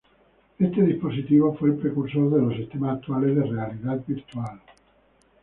Este dispositivo fue el precursor de los sistemas actuales de realidad virtual.